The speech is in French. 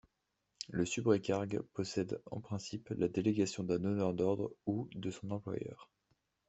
Le subrécargue possède en principe la délégation d'un donneur d'ordre ou de son employeur.